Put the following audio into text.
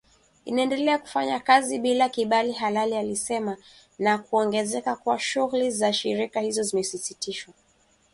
Inaendelea kufanya kazi bila kibali halali alisema na kuongeza kuwa shughuli za shirika hilo zimesitishwa mara moja.